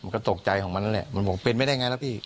ก็ตกใจของมันนั่นแหละมันบอกเป็นไม่ได้ไงแล้วพี่